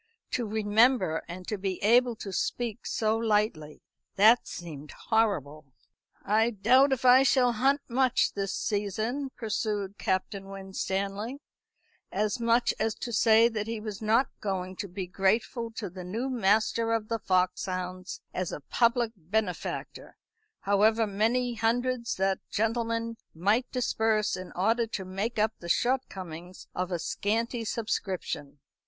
To remember, and to be able to speak so lightly. That seemed horrible. "I doubt if I shall hunt much this season," pursued Captain Winstanley, as much as to say that he was not going to be grateful to the new master of the foxhounds as a public benefactor, however many hundreds that gentleman might disburse in order to make up the shortcomings of a scanty subscription.